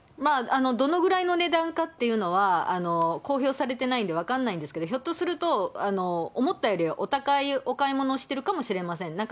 どのぐらいの値段かっていうのは、公表されてないので分かんないですけど、ひょっとすると、思ったよりお高い買い物をしているかもしれません。